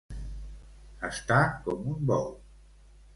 Estar com un bou.